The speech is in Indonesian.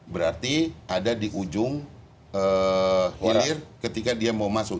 berarti ada di ujung hilir ketika dia mau masuk